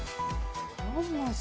４文字。